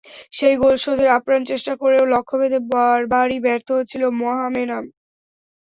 সেই গোল শোধের আপ্রাণ চেষ্টা করেও লক্ষ্যভেদে বারবারই ব্যর্থ হচ্ছিল মোহামেডান।